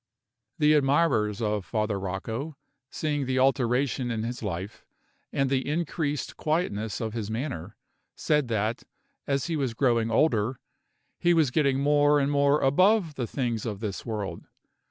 The admirers of Father Rocco, seeing the alteration in his life, and the increased quietness of his manner, said that, as he was growing older, he was getting more and more above the things of this world.